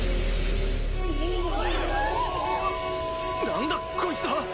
・何だこいつは！